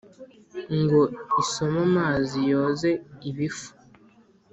Ngo isome amazi yoze ibifu !